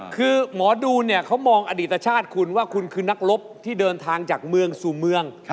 คือหมอดูเนี่ยเขามองอดีตชาติคุณว่าคุณคือนักรบที่เดินทางจากเมืองสู่เมือง